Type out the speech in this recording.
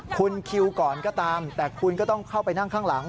คุณคิวก่อนก็ตามแต่คุณก็ต้องเข้าไปนั่งข้างหลัง